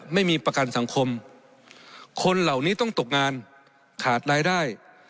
ไม่มีประกันสังคมคนเหล่านี้ต้องตกงานขาดรายได้